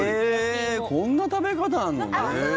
こんな食べ方あるのね。